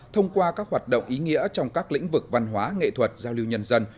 thông qua các hoạt động ý nghĩa trong các lĩnh vực văn hóa nghệ thuật giao lưu nhân dân